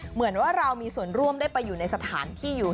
เหมือนว่าเรามีส่วนร่วมได้ไปอยู่ในสถานที่อยู่